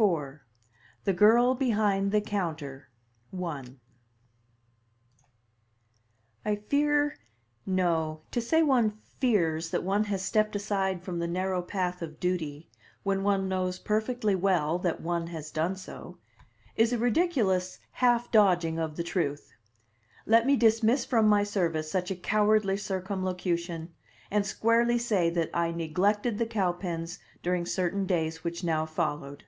IV: THE GIRL BEHIND THE COUNTER I I fear no; to say one "fears" that one has stepped aside from the narrow path of duty, when one knows perfectly well that one has done so, is a ridiculous half dodging of the truth; let me dismiss from my service such a cowardly circumlocution, and squarely say that I neglected the Cowpens during certain days which now followed.